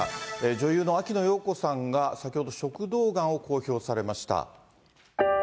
女優の秋野暢子さんが、先ほど食道がんを公表されました。